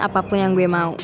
apapun yang gue mau